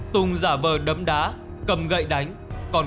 tùng giả vờ đấm đá cầm gậy đánh còn